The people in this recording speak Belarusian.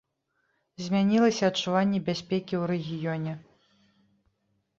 Змянілася адчуванне бяспекі ў рэгіёне.